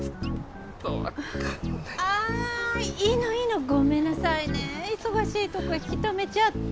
あいいのいいのごめんなさいね忙しいとこ引き留めちゃって。